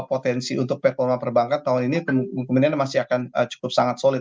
potensi untuk performa perbankan tahun ini kemungkinan masih akan cukup sangat solid